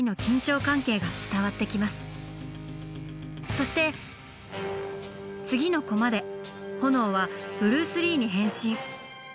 そして次のコマでホノオはブルース・リーに変身。